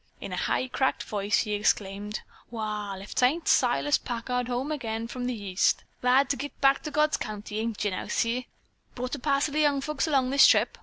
In a high, cracked voice he exclaimed: "Wall, if 'tain't Silas Packard home again from the East. Glad to git back to God's country, ain't you now, Si? Brought a parcel of young folks along this trip?